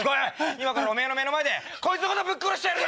今からおめぇの目の前でこいつのことぶっ殺してやるよ！